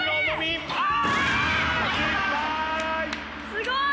すごい！